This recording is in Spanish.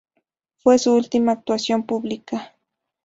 Fue su última actuación pública.